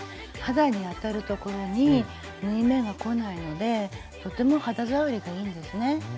肌に当たる所に縫い目がこないのでとても肌触りがいいんですね。